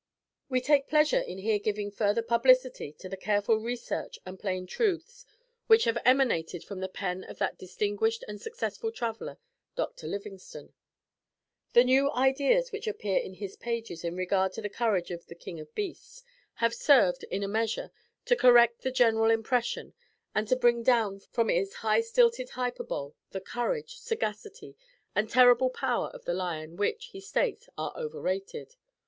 We take pleasure in here giving further publicity to the careful research and plain truths which have emanated from the pen of that distinguished and successful traveler Dr. Livingston. The new ideas which appear in his pages in regard to the courage of the "King of Beasts," have served, in a measure, to correct the general impression, and to bring down from its high stilted hyperbole the courage, sagacity and terrible power of the lion, which, he states, are overrated.